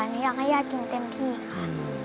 หนูอยากให้ย่ากินเต็มที่ค่ะ